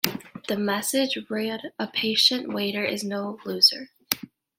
The message read A patient waiter is no loser.